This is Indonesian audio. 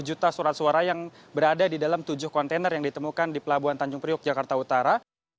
tiga juta surat suara yang berada di dalam tujuh kontainer yang ditemukan di pelabuhan tanjung priuk jakarta utara